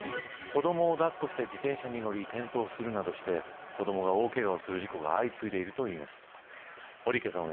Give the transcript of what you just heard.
子どもを抱っこして自転車に乗り転倒するなどして子どもが大けがをする事故が相次いでいるといいます。